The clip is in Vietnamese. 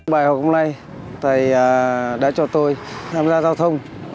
bài học hôm nay thầy đã cho tôi tham gia giao thông